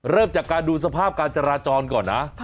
เริ่มจากการดูสภาพการจราจรก่อนนะ